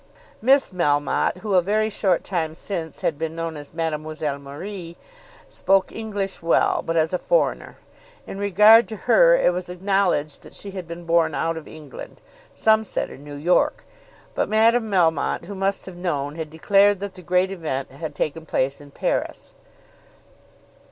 Miss Melmotte, who a very short time since had been known as Mademoiselle Marie, spoke English well, but as a foreigner. In regard to her it was acknowledged that she had been born out of England, some said in New York; but Madame Melmotte, who must have known, had declared that the great event had taken place in Paris.